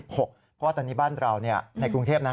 เพราะว่าตอนนี้บ้านเราในกรุงเทพนะ